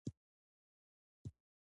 د څرمن جوړونې ماشینونه ساده او ارزانه دي